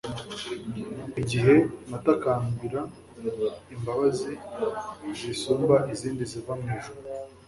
Igihe natakambira imbabazi zisumba izindi ziva mu ijuru